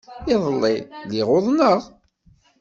Iḍelli, lliɣ uḍneɣ.